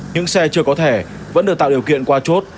những xe chưa có thể mà chưa hiểu được điều kiện qua chốt